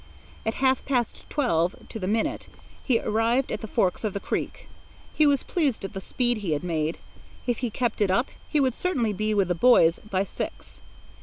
At half past twelve, to the minute, he arrived at the forks of the creek. He was pleased at the speed he had made. If he kept it up, he would certainly be with the boys by six.